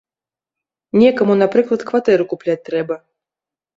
Некаму, напрыклад, кватэру купляць трэба.